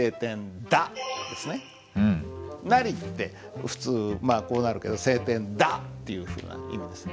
「なり」って普通こうなるけど「晴天だ」というふうな意味です。